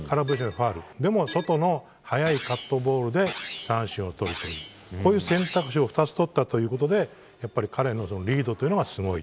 でも外の速いカットボールで三振をとるという選択肢を２つとったということでやっぱり彼のリードがすごい。